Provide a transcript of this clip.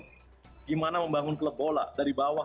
bagaimana membangun klub bola dari bawah